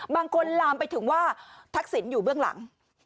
ลามไปถึงว่าทักษิณอยู่เบื้องหลัง